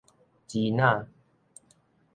支那